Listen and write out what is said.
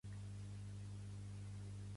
Què xoca a Terrassa?